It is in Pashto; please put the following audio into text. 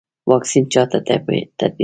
واکسین چا ته تطبیقیږي؟